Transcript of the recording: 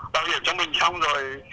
bảo hiểm cho mình xong rồi